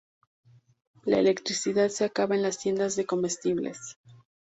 La electricidad se acaba en las tiendas de comestibles.